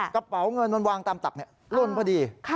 กระเป๋าเงินมันวางตามตักล่นพอดี